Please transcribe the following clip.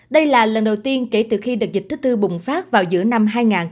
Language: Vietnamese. đây là lần đầu tiên kể từ khi đợt dịch thứ tư bùng phát vào giữa năm hai nghìn một mươi bốn